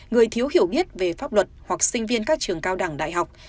người thiếu hiểu biết về pháp luật hoặc sinh viên các trường cao đẳng đại học